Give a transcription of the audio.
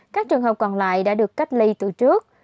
các trường hợp còn lại đã được cách ly từ trước